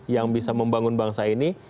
yang bisa membangun bangsa ini